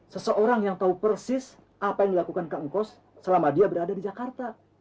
seseorang yang tahu persis apa yang dilakukan kang ekos selama dia berada di jakarta